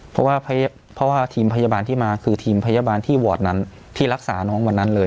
เพราะว่าเพราะว่าทีมพยาบาลที่มาคือทีมพยาบาลที่วอร์ดนั้นที่รักษาน้องวันนั้นเลย